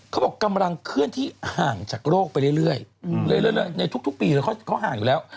กำลังเคลื่อนที่ห่างจากโรคไปเรื่อยในทุกปีเขาห่างอยู่แล้ว